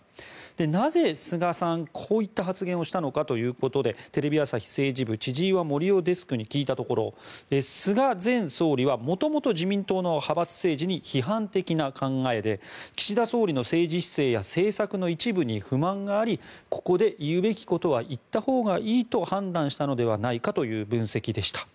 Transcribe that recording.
なぜ、菅さんはこういった発言をしたのかということでテレビ朝日政治部千々岩森生デスクに聞いたところ菅前総理は元々自民党の派閥政治に批判的な考えで岸田総理の政治姿勢や政策の一部に不満がありここで言うべきことは言ったほうがいいと判断したのではないかという分析でした。